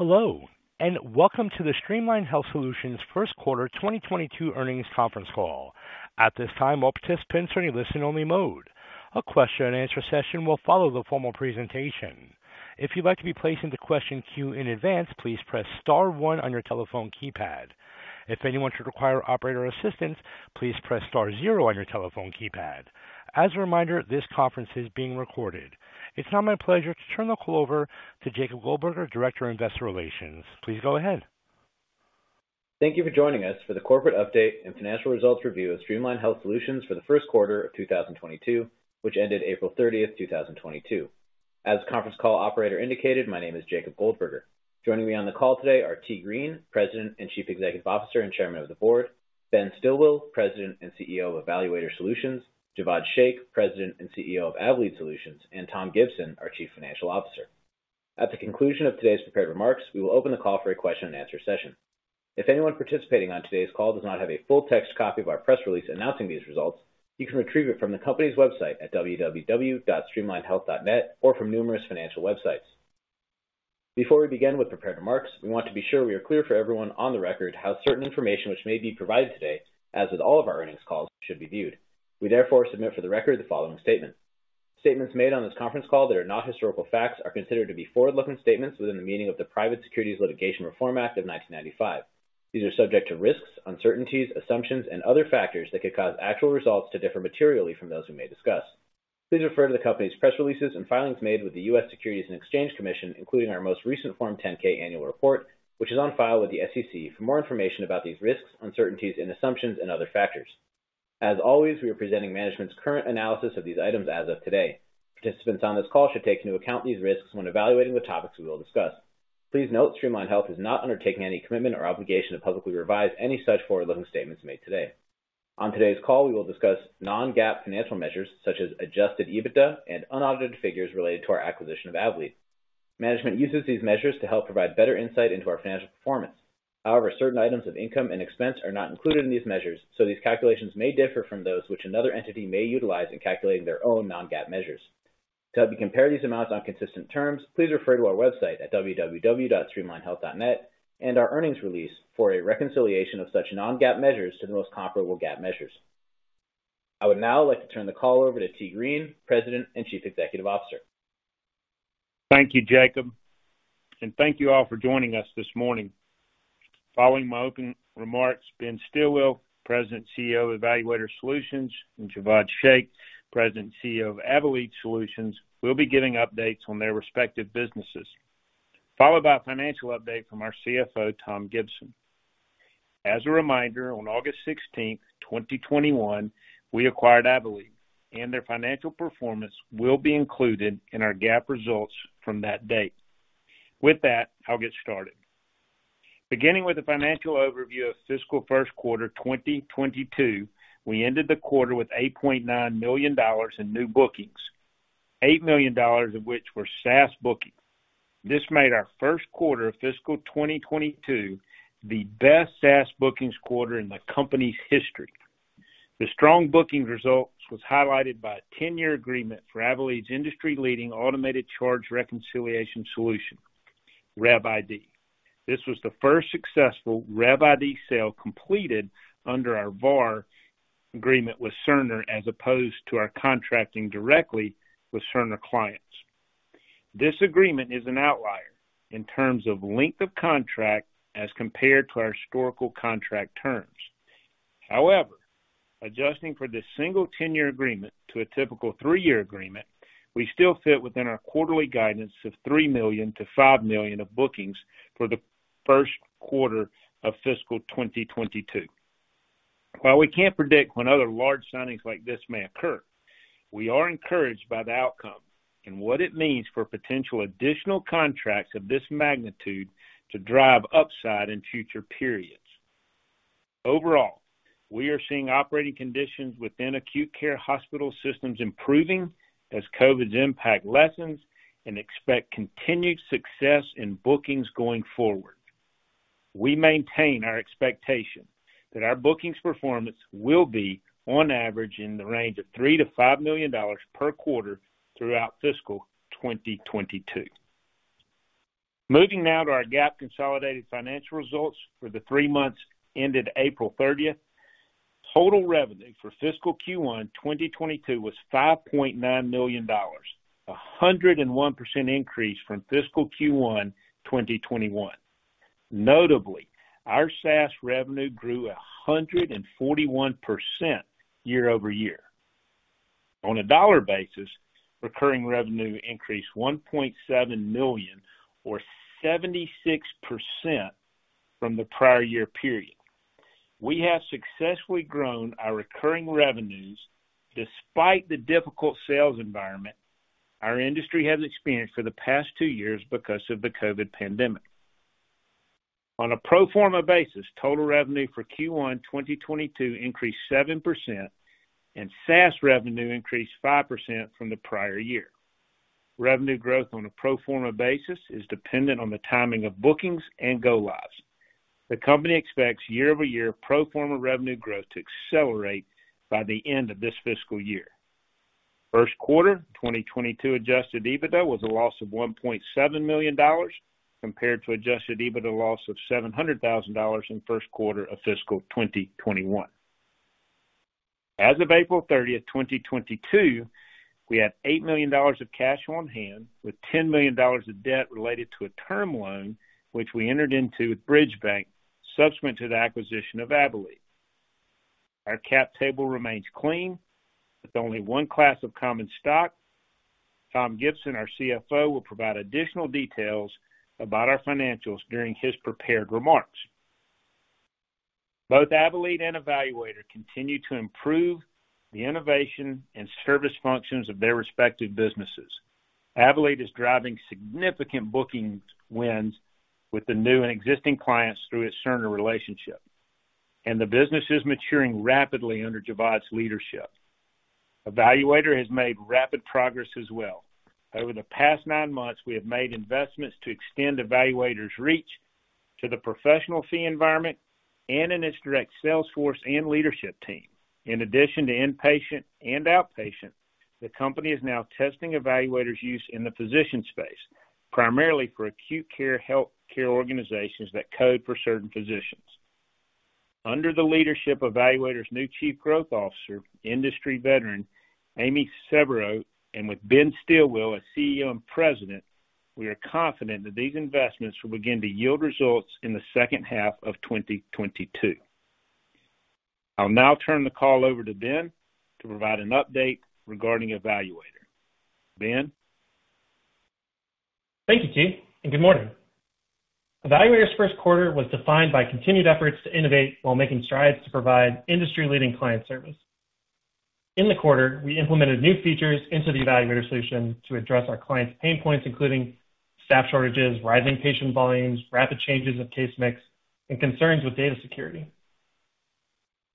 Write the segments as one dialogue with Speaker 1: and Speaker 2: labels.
Speaker 1: Hello, and welcome to the Streamline Health Solutions first quarter 2022 earnings conference call. At this time, all participants are in listen only mode. A question and answer session will follow the formal presentation. If you'd like to be placed into question queue in advance, please press star one on your telephone keypad. If anyone should require operator assistance, please press star zero on your telephone keypad. As a reminder, this conference is being recorded. It's now my pleasure to turn the call over to Jacob Goldberger, Director of Investor Relations. Please go ahead.
Speaker 2: Thank you for joining us for the corporate update and financial results review of Streamline Health Solutions for the first quarter of 2022, which ended April 30, 2022. As conference call operator indicated, my name is Jacob Goldberger. Joining me on the call today are T. Green, President and Chief Executive Officer and Chairman of the Board, Ben Stilwill, President and CEO of eValuator Solutions, Jawad Shaikh, President and CEO of Avelead Solutions, and Tom Gibson, our Chief Financial Officer. At the conclusion of today's prepared remarks, we will open the call for a question and answer session. If anyone participating on today's call does not have a full text copy of our press release announcing these results, you can retrieve it from the company's website at www.streamlinehealth.net or from numerous financial websites. Before we begin with prepared remarks, we want to be sure we are clear for everyone on the record how certain information which may be provided today, as with all of our earnings calls, should be viewed. We therefore submit for the record the following statement. Statements made on this conference call that are not historical facts are considered to be forward-looking statements within the meaning of the Private Securities Litigation Reform Act of 1995. These are subject to risks, uncertainties, assumptions, and other factors that could cause actual results to differ materially from those we may discuss. Please refer to the company's press releases and filings made with the U.S. Securities and Exchange Commission, including our most recent Form 10-K annual report, which is on file with the SEC for more information about these risks, uncertainties and assumptions and other factors. As always, we are presenting management's current analysis of these items as of today. Participants on this call should take into account these risks when evaluating the topics we will discuss. Please note, Streamline Health is not undertaking any commitment or obligation to publicly revise any such forward-looking statements made today. On today's call, we will discuss non-GAAP financial measures such as adjusted EBITDA and unaudited figures related to our acquisition of Avelead. Management uses these measures to help provide better insight into our financial performance. However, certain items of income and expense are not included in these measures, so these calculations may differ from those which another entity may utilize in calculating their own non-GAAP measures. To help you compare these amounts on consistent terms, please refer to our website at www.streamlinehealth.net and our earnings release for a reconciliation of such non-GAAP measures to the most comparable GAAP measures. I would now like to turn the call over to Wyche T. Green, III, President and Chief Executive Officer.
Speaker 3: Thank you, Jacob, and thank you all for joining us this morning. Following my opening remarks, Ben Stilwill, President and CEO of eValuator Solutions, and Jawad Shaikh, President and CEO of Avelead Solutions, will be giving updates on their respective businesses, followed by a financial update from our CFO, Tom Gibson. As a reminder, on August 16, 2021, we acquired Avelead, and their financial performance will be included in our GAAP results from that date. With that, I'll get started. Beginning with the financial overview of fiscal first quarter 2022, we ended the quarter with $8.9 million in new bookings, $8 million of which were SaaS bookings. This made our first quarter of fiscal 2022 the best SaaS bookings quarter in the company's history. The strong bookings results was highlighted by a 10-year agreement for Avelead's industry-leading automated charge reconciliation solution, RevID. This was the first successful RevID sale completed under our VAR agreement with Cerner as opposed to our contracting directly with Cerner clients. This agreement is an outlier in terms of length of contract as compared to our historical contract terms. However, adjusting for this single 10-year agreement to a typical three year agreement, we still fit within our quarterly guidance of three million-five million of bookings for the first quarter of fiscal 2022. While we can't predict when other large signings like this may occur, we are encouraged by the outcome and what it means for potential additional contracts of this magnitude to drive upside in future periods. Overall, we are seeing operating conditions within acute care hospital systems improving as COVID's impact lessens and expect continued success in bookings going forward. We maintain our expectation that our bookings performance will be on average in the range of $3-$5 million per quarter throughout fiscal 2022. Moving now to our GAAP consolidated financial results for the three months ended April 30. Total revenue for fiscal Q1 2022 was $5.9 million, 101% increase from fiscal Q1 2021. Notably, our SaaS revenue grew 141% year-over-year. On a dollar basis, recurring revenue increased 1.7 million or 76% from the prior year period. We have successfully grown our recurring revenues despite the difficult sales environment our industry has experienced for the past two years because of the COVID pandemic. On a pro forma basis, total revenue for Q1 2022 increased 7% and SaaS revenue increased 5% from the prior year. Revenue growth on a pro forma basis is dependent on the timing of bookings and go lives. The company expects year-over-year pro forma revenue growth to accelerate by the end of this fiscal year. First quarter 2022 adjusted EBITDA was a loss of $1.7 million compared to adjusted EBITDA loss of $700,000 in first quarter of fiscal 2021. As of April 30, 2022, we had $8 million of cash on hand with $10 million of debt related to a term loan which we entered into with Bridge Bank subsequent to the acquisition of Avelead. Our cap table remains clean with only one class of common stock. Tom Gibson, our CFO, will provide additional details about our financials during his prepared remarks. Both Avelead and eValuator continue to improve the innovation and service functions of their respective businesses. Avelead is driving significant booking wins with the new and existing clients through its Cerner relationship, and the business is maturing rapidly under Jawad's leadership. eValuator has made rapid progress as well. Over the past nine months, we have made investments to extend eValuator's reach to the professional fee environment and in its direct sales force and leadership team. In addition to inpatient and outpatient, the company is now testing eValuator's use in the physician space, primarily for acute care healthcare organizations that code for certain physicians. Under the leadership of eValuator's new Chief Growth Officer, industry veteran Amy Sebrell, and with Ben Stilwill as CEO and President, we are confident that these investments will begin to yield results in the second half of 2022. I'll now turn the call over to Ben to provide an update regarding eValuator. Ben?
Speaker 4: Thank you, T, and good morning. eValuator's first quarter was defined by continued efforts to innovate while making strides to provide industry-leading client service. In the quarter, we implemented new features into the eValuator solution to address our clients' pain points, including staff shortages, rising patient volumes, rapid changes of case mix, and concerns with data security.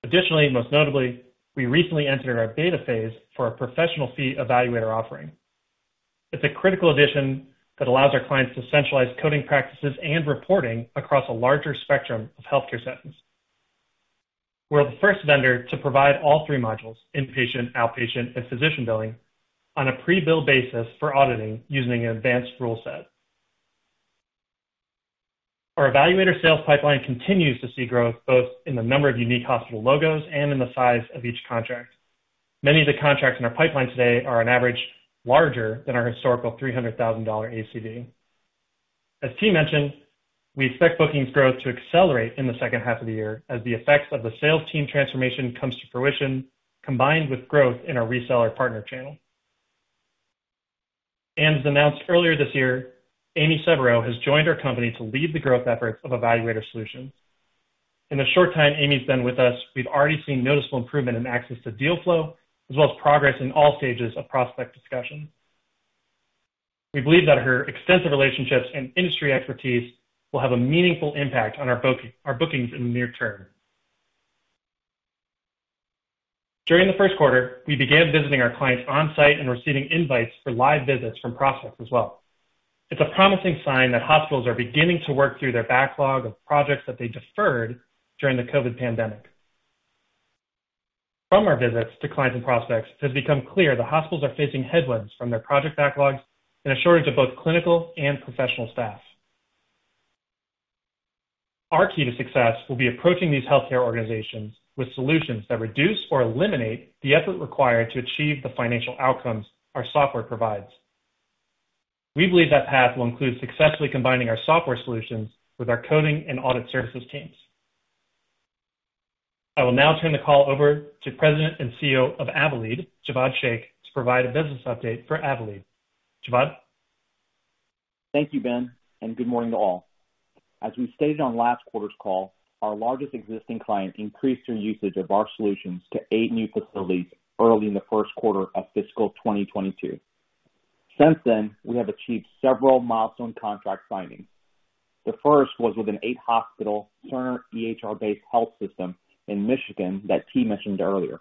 Speaker 4: Additionally, most notably, we recently entered our beta phase for our professional fee eValuator offering. It's a critical addition that allows our clients to centralize coding practices and reporting across a larger spectrum of healthcare settings. We're the first vendor to provide all three modules, inpatient, outpatient, and physician billing, on a pre-bill basis for auditing using an advanced rule set. Our eValuator sales pipeline continues to see growth both in the number of unique hospital logos and in the size of each contract. Many of the contracts in our pipeline today are on average larger than our historical $300,000 ACV. As T mentioned, we expect bookings growth to accelerate in the second half of the year as the effects of the sales team transformation comes to fruition, combined with growth in our reseller partner channel. As announced earlier this year, Amy Sebrell has joined our company to lead the growth efforts of eValuator Solutions. In the short time Amy's been with us, we've already seen noticeable improvement in access to deal flow, as well as progress in all stages of prospect discussion. We believe that her extensive relationships and industry expertise will have a meaningful impact on our bookings in the near term. During the first quarter, we began visiting our clients on-site and receiving invites for live visits from prospects as well. It's a promising sign that hospitals are beginning to work through their backlog of projects that they deferred during the COVID pandemic. From our visits to clients and prospects, it has become clear that hospitals are facing headwinds from their project backlogs and a shortage of both clinical and professional staff. Our key to success will be approaching these healthcare organizations with solutions that reduce or eliminate the effort required to achieve the financial outcomes our software provides. We believe that path will include successfully combining our software solutions with our coding and audit services teams. I will now turn the call over to President and CEO of Avelead, Jawad Shaikh, to provide a business update for Avelead. Jawad?
Speaker 5: Thank you, Ben, and good morning to all. As we stated on last quarter's call, our largest existing client increased their usage of our solutions to eight new facilities early in the first quarter of fiscal 2022. Since then, we have achieved several milestone contract signings. The first was with an eight hospital Cerner EHR-based health system in Michigan that T mentioned earlier.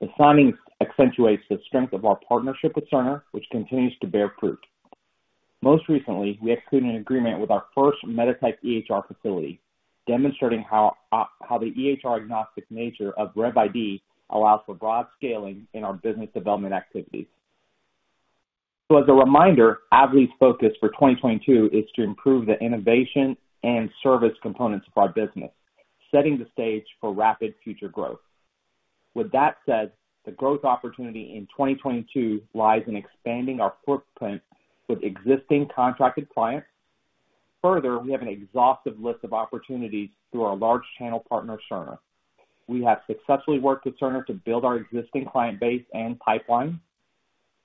Speaker 5: The signing accentuates the strength of our partnership with Cerner, which continues to bear fruit. Most recently, we executed an agreement with our first MEDITECH EHR facility, demonstrating how the EHR-agnostic nature of RevID allows for broad scaling in our business development activities. As a reminder, Avelead's focus for 2022 is to improve the innovation and service components of our business, setting the stage for rapid future growth. With that said, the growth opportunity in 2022 lies in expanding our footprint with existing contracted clients. Further, we have an exhaustive list of opportunities through our large channel partner, Cerner. We have successfully worked with Cerner to build our existing client base and pipeline.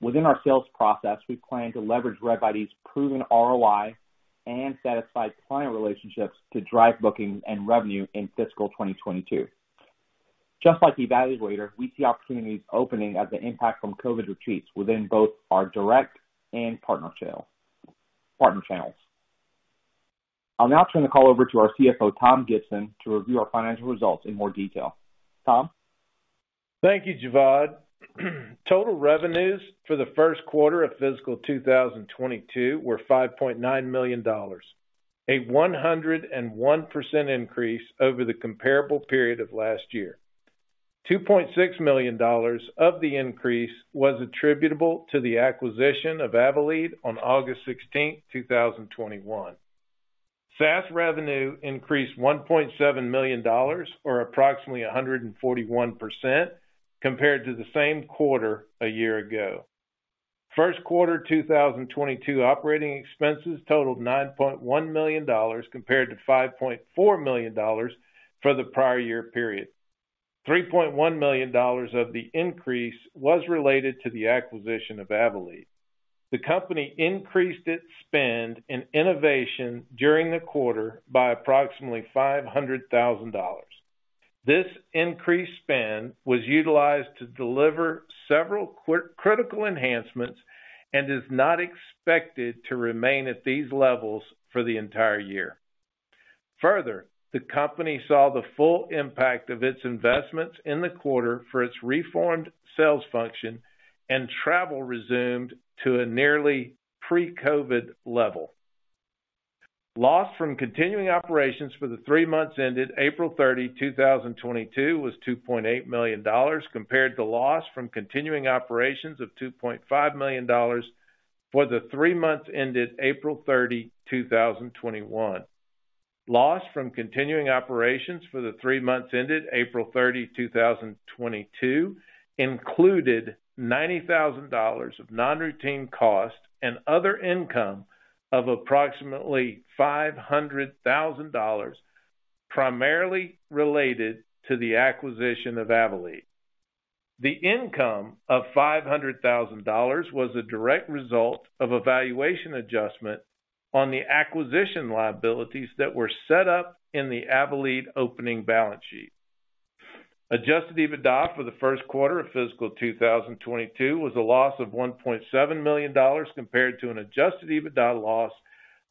Speaker 5: Within our sales process, we plan to leverage RevID's proven ROI and satisfied client relationships to drive bookings and revenue in fiscal 2022. Just like eValuator, we see opportunities opening as the impact from COVID retreats within both our direct and partner channel, partner channels. I'll now turn the call over to our CFO, Tom Gibson, to review our financial results in more detail. Tom?
Speaker 6: Thank you, Jawad. Total revenues for the first quarter of fiscal 2022 were $5.9 million. 101% increase over the comparable period of last year. $2.6 million of the increase was attributable to the acquisition of Avelead on August 16, 2021. SaaS revenue increased $1.7 million or approximately 141% compared to the same quarter a year ago. First quarter 2022 operating expenses totaled $9.1 million compared to $5.4 million for the prior year period. $3.1 million of the increase was related to the acquisition of Avelead. The company increased its spend in innovation during the quarter by approximately $500,000. This increased spend was utilized to deliver several critical enhancements and is not expected to remain at these levels for the entire year. Further, the company saw the full impact of its investments in the quarter for its reformed sales function and travel resumed to a nearly pre-COVID level. Loss from continuing operations for the three months ended April 30, 2022 was $2.8 million compared to loss from continuing operations of $2.5 million for the three months ended April 30, 2021. Loss from continuing operations for the three months ended April 30, 2022 included $90,000 of non-routine costs and other income of approximately $500,000, primarily related to the acquisition of Avelead. The income of $500,000 was a direct result of a valuation adjustment on the acquisition liabilities that were set up in the Avelead opening balance sheet. Adjusted EBITDA for the first quarter of fiscal 2022 was a loss of $1.7 million compared to an adjusted EBITDA loss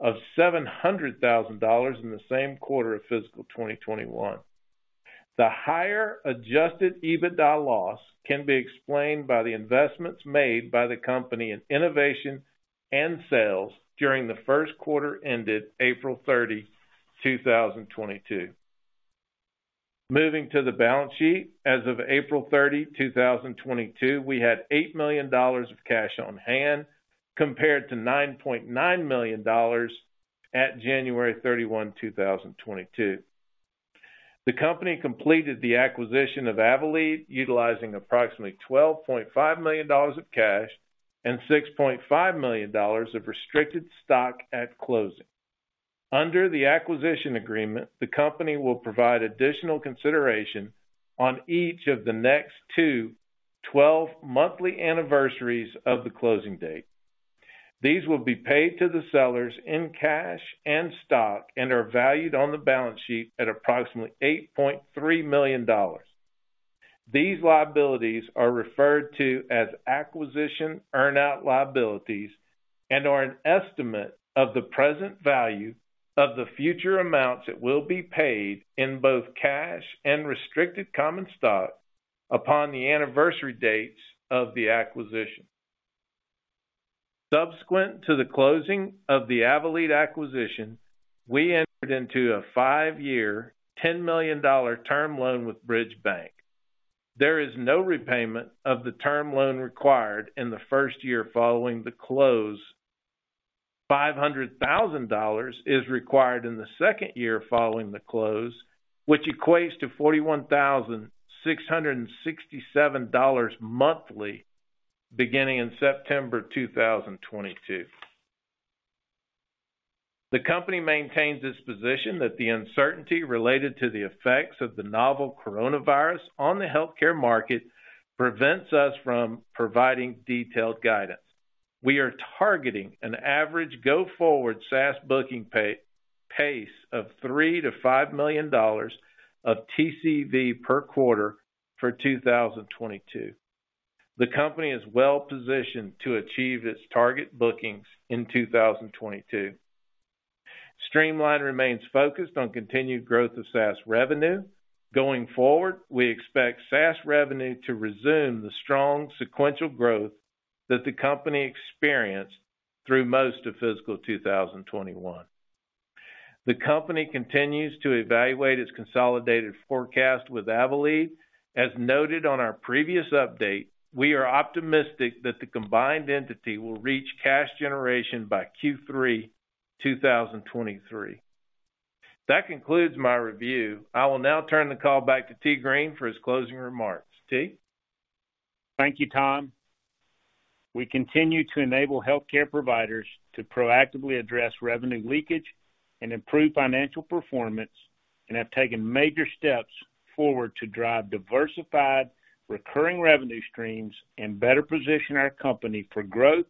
Speaker 6: of $700,000 in the same quarter of fiscal 2021. The higher adjusted EBITDA loss can be explained by the investments made by the company in innovation and sales during the first quarter ended April 30, 2022. Moving to the balance sheet. As of April 30, 2022, we had $8 million of cash on hand, compared to $9.9 million at January 31, 2022. The company completed the acquisition of Avelead, utilizing approximately $12.5 million of cash and $6.5 million of restricted stock at closing. Under the acquisition agreement, the company will provide additional consideration on each of the next two 12 monthly anniversaries of the closing date. These will be paid to the sellers in cash and stock and are valued on the balance sheet at approximately $8.3 million. These liabilities are referred to as acquisition earn out liabilities and are an estimate of the present value of the future amounts that will be paid in both cash and restricted common stock upon the anniversary dates of the acquisition. Subsequent to the closing of the Avelead acquisition, we entered into a five-year, $10 million term loan with Bridge Bank. There is no repayment of the term loan required in the first year following the close. $500,000 is required in the second year following the close, which equates to $41,667 monthly beginning in September 2022. The company maintains its position that the uncertainty related to the effects of the novel coronavirus on the healthcare market prevents us from providing detailed guidance. We are targeting an average go forward SaaS booking pace of $3 million-$5 million of TCV per quarter for 2022. The company is well positioned to achieve its target bookings in 2022. Streamline remains focused on continued growth of SaaS revenue. Going forward, we expect SaaS revenue to resume the strong sequential growth that the company experienced through most of fiscal 2021. The company continues to evaluate its consolidated forecast with Avelead. As noted on our previous update, we are optimistic that the combined entity will reach cash generation by Q3 2023. That concludes my review. I will now turn the call back to T. Green for his closing remarks. T?
Speaker 3: Thank you, Tom. We continue to enable healthcare providers to proactively address revenue leakage and improve financial performance, and have taken major steps forward to drive diversified recurring revenue streams and better position our company for growth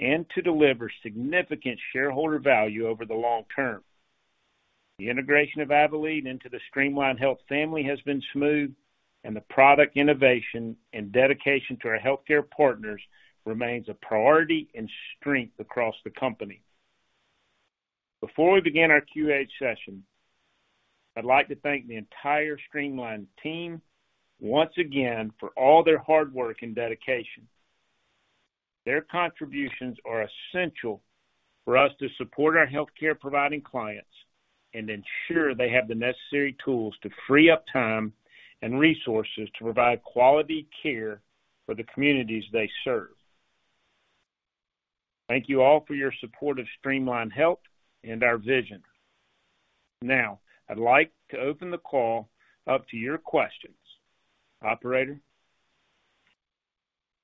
Speaker 3: and to deliver significant shareholder value over the long term. The integration of Avelead into the Streamline Health family has been smooth and the product innovation and dedication to our healthcare partners remains a priority and strength across the company. Before we begin our QA session, I'd like to thank the entire Streamline team once again for all their hard work and dedication. Their contributions are essential for us to support our healthcare providing clients and ensure they have the necessary tools to free up time and resources to provide quality care for the communities they serve. Thank you all for your support of Streamline Health and our vision. Now I'd like to open the call up to your questions. Operator?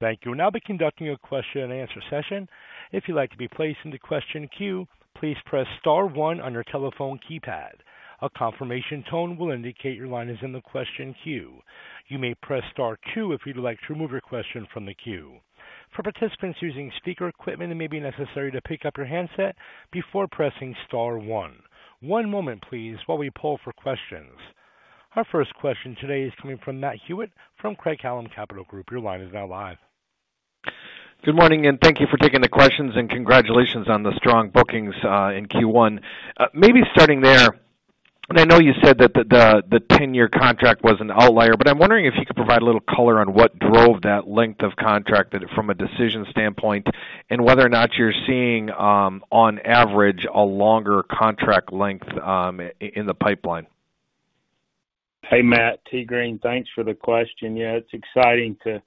Speaker 1: Thank you. We'll now be conducting a question-and-answer session. If you'd like to be placed into question queue, please press star one on your telephone keypad. A confirmation tone will indicate your line is in the question queue. You may press star two if you'd like to remove your question from the queue. For participants using speaker equipment, it may be necessary to pick up your handset before pressing star one. One moment please, while we pull for questions. Our first question today is coming from Matt Hewitt from Craig-Hallum Capital Group. Your line is now live.
Speaker 7: Good morning and thank you for taking the questions and congratulations on the strong bookings in Q1. Maybe starting there, I know you said that the 10-year contract was an outlier, but I'm wondering if you could provide a little color on what drove that length of contract from a decision standpoint, and whether or not you're seeing, on average, a longer contract length in the pipeline.
Speaker 3: Hey, Matt, T. Green. Thanks for the question. Yeah, it's exciting for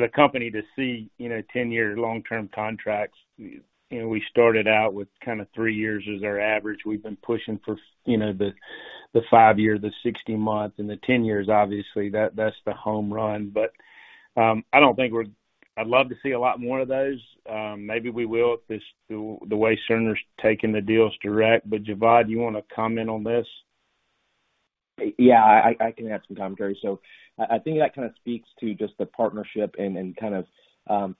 Speaker 3: the company to see, you know, 10-year long-term contracts. You know, we started out with kinda three years as our average. We've been pushing for, you know, the five years, the 60 months and the 10 years, obviously that's the home run. I don't think we're. I'd love to see a lot more of those. Maybe we will if the way Cerner's taking the deals direct. Jawad, you wanna comment on this?
Speaker 5: Yeah, I can add some commentary. I think that kinda speaks to just the partnership and kind of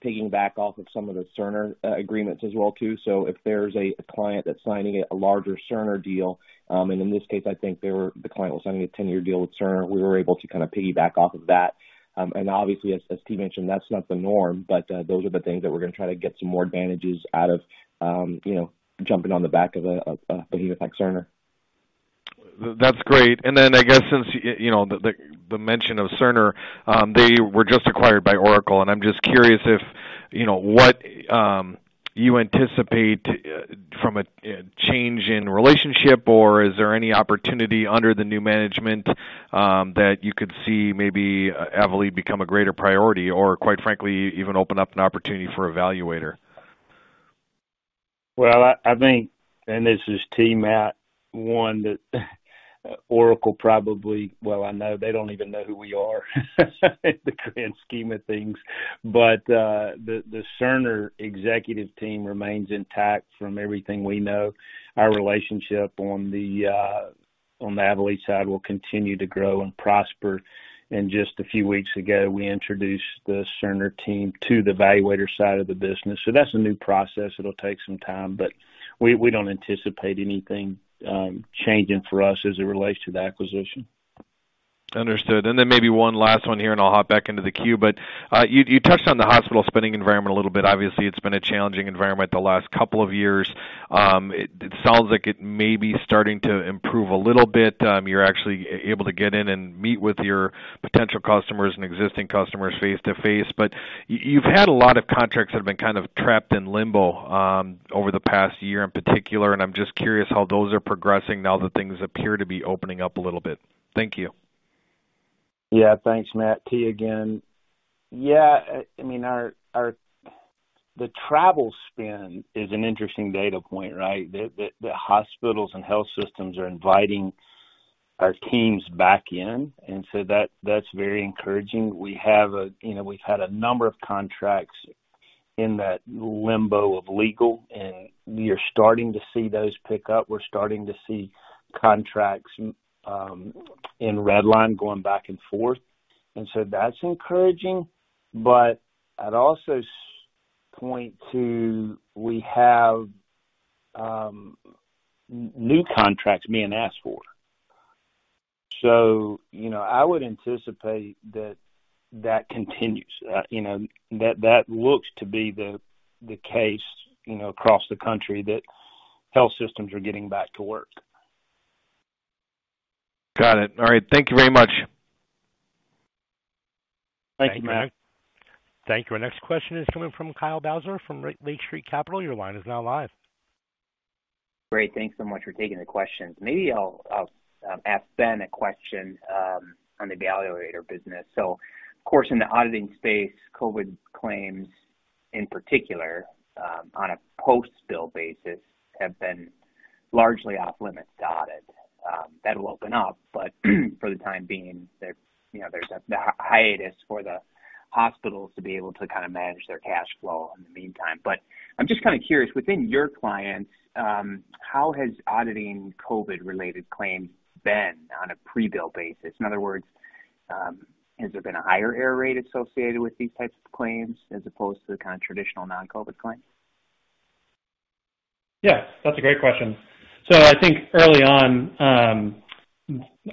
Speaker 5: piggyback off of some of the Cerner agreements as well too. If there's a client that's signing a larger Cerner deal, and in this case, I think the client was signing a 10-year deal with Cerner, we were able to kinda piggyback off of that. Obviously as T mentioned, that's not the norm, but those are the things that we're gonna try to get some more advantages out of, you know, jumping on the back of a behemoth like Cerner.
Speaker 7: That's great. I guess, since you know, the mention of Cerner, they were just acquired by Oracle, and I'm just curious if, you know, what you anticipate from a change in relationship or is there any opportunity under the new management, that you could see maybe Avelead become a greater priority or quite frankly, even open up an opportunity for a eValuator?
Speaker 3: Well, I think, and this is to Matt, one that Oracle probably. I know they don't even know who we are in the grand scheme of things. The Cerner executive team remains intact from everything we know. Our relationship on the Avelead side will continue to grow and prosper. Just a few weeks ago, we introduced the Cerner team to the eValuator side of the business. That's a new process. It'll take some time, but we don't anticipate anything changing for us as it relates to the acquisition.
Speaker 7: Understood. Then maybe one last one here, and I'll hop back into the queue. You touched on the hospital spending environment a little bit. Obviously, it's been a challenging environment the last couple of years. It sounds like it may be starting to improve a little bit. You're actually able to get in and meet with your potential customers and existing customers face-to-face. You've had a lot of contracts that have been kind of trapped in limbo over the past year in particular, and I'm just curious how those are progressing now that things appear to be opening up a little bit. Thank you.
Speaker 3: Yeah, thanks, Matt. Thanks again. Yeah. I mean, the travel spend is an interesting data point, right? The hospitals and health systems are inviting our teams back in, and so that's very encouraging. We have, you know, we've had a number of contracts in that limbo of legal, and we are starting to see those pick up. We're starting to see contracts in red line going back and forth, and so that's encouraging. But I'd also point to we have new contracts being asked for. So, you know, I would anticipate that continues. You know, that looks to be the case, you know, across the country, that health systems are getting back to work.
Speaker 7: Got it. All right. Thank you very much.
Speaker 3: Thank you, Matt.
Speaker 1: Thank you. Our next question is coming from Kyle Bauser from Lake Street Capital. Your line is now live.
Speaker 8: Great. Thank you so much for taking the questions. Maybe I'll ask Ben a question on the eValuator business. Of course, in the auditing space, COVID claims, in particular, on a post-bill basis, have been largely off limits to audit. That'll open up, but for the time being, you know, there's the hiatus for the hospitals to be able to kinda manage their cash flow in the meantime. I'm just kinda curious, within your clients, how has auditing COVID-related claims been on a pre-bill basis? In other words, has there been a higher error rate associated with these types of claims as opposed to the kind of traditional non-COVID claims?
Speaker 4: Yeah, that's a great question. I think early on,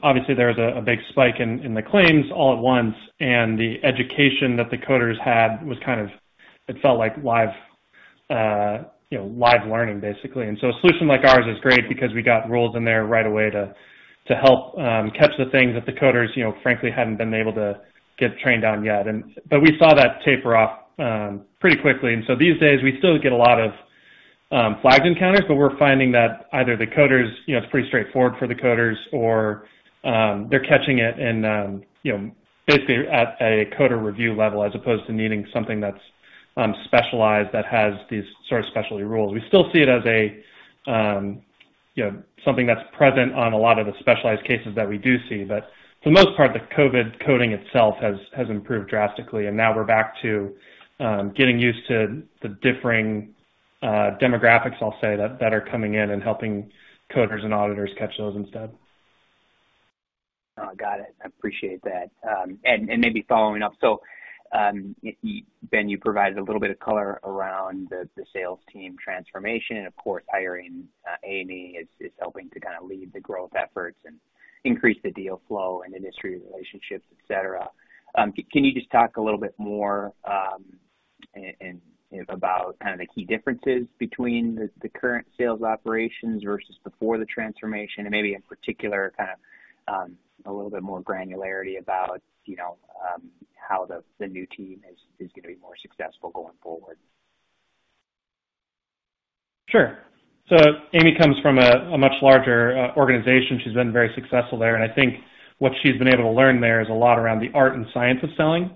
Speaker 4: obviously there was a big spike in the claims all at once, and the education that the coders had was kind of, it felt like live, you know, live learning basically. A solution like ours is great because we got rules in there right away to help catch the things that the coders, you know, frankly hadn't been able to get trained on yet. We saw that taper off pretty quickly. These days, we still get a lot of flagged encounters, but we're finding that either the coders, you know, it's pretty straightforward for the coders or they're catching it and, you know, basically at a coder review level as opposed to needing something that's specialized that has these sort of specialty rules. We still see it as a, you know, something that's present on a lot of the specialized cases that we do see. For the most part, the COVID coding itself has improved drastically. Now we're back to getting used to the differing demographics, I'll say, that are coming in and helping coders and auditors catch those instead.
Speaker 8: Oh, got it. I appreciate that. Maybe following up. Ben, you provided a little bit of color around the sales team transformation and of course, hiring Amy is helping to kind of lead the growth efforts and increase the deal flow and industry relationships, et cetera. Can you just talk a little bit more and about kind of the key differences between the current sales operations versus before the transformation and maybe in particular, kind of a little bit more granularity about, you know, how the new team is gonna be more successful going forward?
Speaker 4: Sure. Amy comes from a much larger organization. She's been very successful there. I think what she's been able to learn there is a lot around the art and science of selling.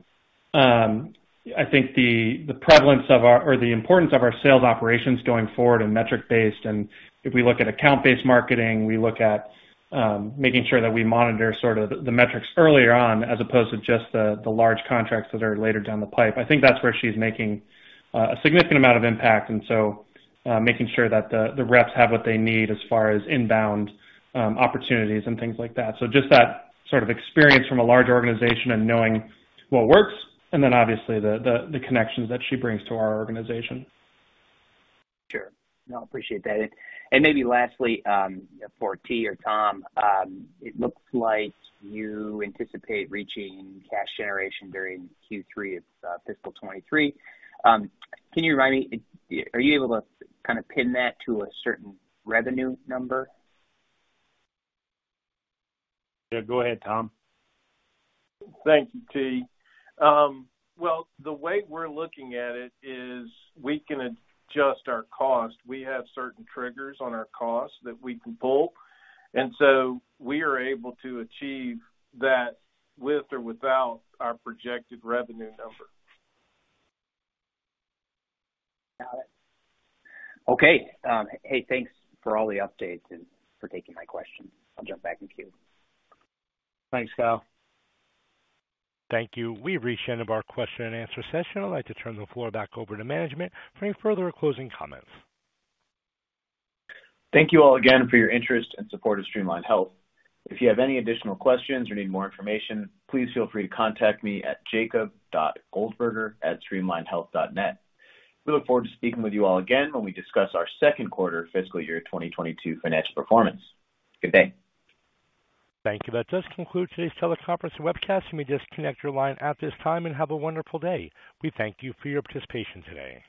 Speaker 4: I think the prevalence of our or the importance of our sales operations going forward and metric based, and if we look at account-based marketing, we look at making sure that we monitor sort of the metrics earlier on as opposed to just the large contracts that are later down the pipe. I think that's where she's making a significant amount of impact. Making sure that the reps have what they need as far as inbound opportunities and things like that. Just that sort of experience from a large organization and knowing what works, and then obviously the connections that she brings to our organization.
Speaker 8: Sure. No, appreciate that. Maybe lastly, for T or Tom, it looks like you anticipate reaching cash generation during Q3 of fiscal 2023. Can you remind me, are you able to kind of pin that to a certain revenue number? Yeah, go ahead, Tom.
Speaker 6: Thank you, T. Well, the way we're looking at it is we can adjust our cost. We have certain triggers on our cost that we can pull, and so we are able to achieve that with or without our projected revenue number.
Speaker 8: Got it. Okay. Hey, thanks for all the updates and for taking my questions. I'll jump back in queue. Thanks, Kyle.
Speaker 1: Thank you. We've reached the end of our question and answer session. I'd like to turn the floor back over to management for any further closing comments.
Speaker 2: Thank you all again for your interest and support of Streamline Health. If you have any additional questions or need more information, please feel free to contact me at Jacob.Goldberger@streamlinehealth.net. We look forward to speaking with you all again when we discuss our second quarter fiscal year 2022 financial performance. Good day.
Speaker 1: Thank you. That does conclude today's teleconference and webcast. You may disconnect your line at this time and have a wonderful day. We thank you for your participation today.